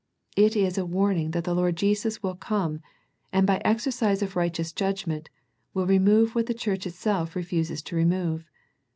It is a warning that the Lord Jesus will come, and by exercise of righteous judgment, will re / move what the church itself refuses to remove.